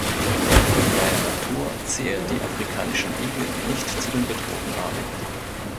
In freier Natur zählen die Afrikanischen Igel nicht zu den bedrohten Arten.